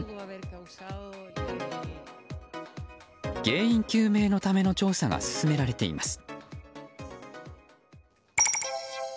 原因究明のための調査が進められています。